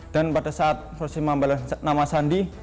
dan pada saat proses pengambilan nama sandi